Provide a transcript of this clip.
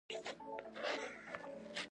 پري ګلې نذر منلی و چې مینه ورېنداره کړي